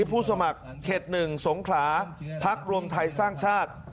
ผู้สมัครเขต๑สงขลาพักรวมไทยสร้างชาติ